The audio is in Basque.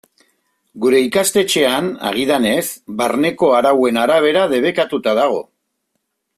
Gure ikastetxean, agidanez, barneko arauen arabera debekatuta dago.